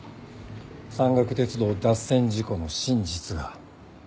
山岳鉄道脱線事故の真実が。